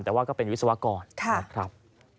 แต่ว่าก็เป็นวิศวกรนะครับ